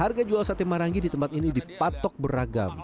harga jual sate marangi di tempat ini dipatok beragam